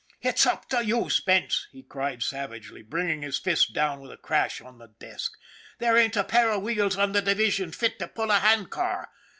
" It's up to you, Spence," he cried savagely, bringing his fist down with a crash on the desk. " There ain't THE LITTLE SUPER 29 a pair of wheels on the division fit to pull a hand car.